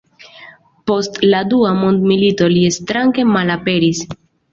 Post la dua mondmilito li strange malaperis.